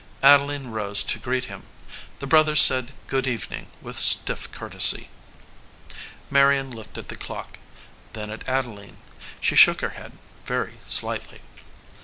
Adeline rose to greet him. The brothers said good evening with stiff courtesy. Marion looked at the clock; then at Adeline. She shook her head very slightly.